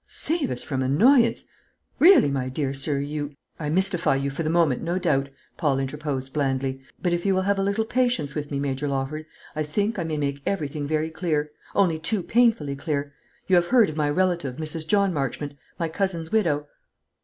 "Save us from annoyance! Really, my dear sir, you " "I mystify you for the moment, no doubt," Paul interposed blandly; "but if you will have a little patience with me, Major Lawford, I think I can make everything very clear, only too painfully clear. You have heard of my relative, Mrs. John Marchmont, my cousin's widow?"